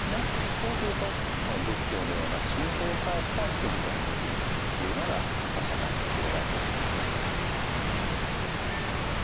そうするとこの仏教のような信仰を介した人々の結び付きっていうのが社会に広がっていくことになっていくわけですね。